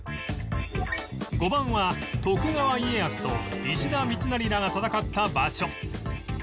５番は徳川家康と石田三成らが戦った場所